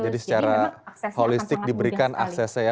jadi secara holistic diberikan aksesnya